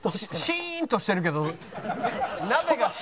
シーンとしてるけど。